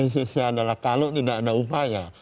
sebenarnya kalau tindak ada upaya